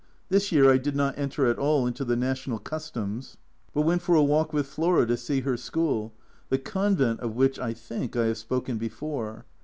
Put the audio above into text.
This year I did not enter at all into the national customs, but went for a walk with Flora to see her school, the Convent of which, I think, I have spoken before.